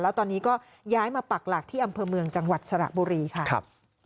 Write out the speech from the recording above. แล้วตอนนี้ก็ย้ายมาปักหลักที่อำเภอเมืองจังหวัดสระบุรีค่ะ